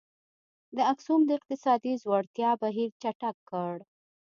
د اکسوم د اقتصادي ځوړتیا بهیر چټک کړ.